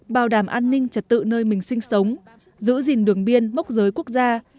bảo đảm an ninh trật tự nơi mình sinh sống giữ gìn đường biên mốc giới quốc gia